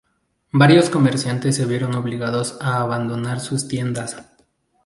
Varios comerciantes se vieron obligados a abandonar sus tiendas.